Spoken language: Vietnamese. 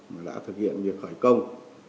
mà đã thực hiện việc khởi công